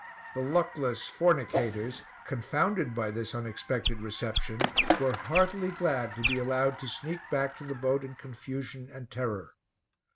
The luckless fornicators, confounded by this unexpected reception, were heartily glad to be allowed to sneak back to the boat in confusion and terror.